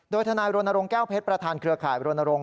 โดยธนายโรนโรงแก้วเพชรประธานเครือข่ายโรนโรง